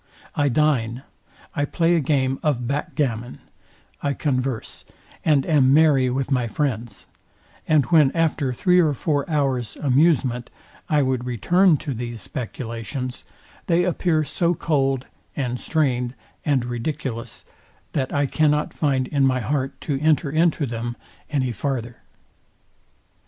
I dine, I play a game of backgammon, I converse, and am merry with my friends; and when after three or four hours' amusement, I would return to these speculations, they appear so cold, and strained, and ridiculous, that I cannot find in my heart to enter into them any farther.